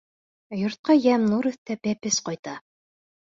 Йортҡа йәм-нур өҫтәп бәпес ҡайта.